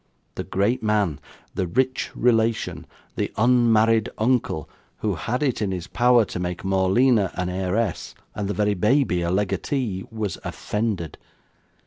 The great man the rich relation the unmarried uncle who had it in his power to make Morleena an heiress, and the very baby a legatee was offended.